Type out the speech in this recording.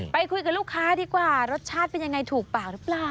ไปคุยกับลูกค้าดีกว่ารสชาติเป็นยังไงถูกปากหรือเปล่า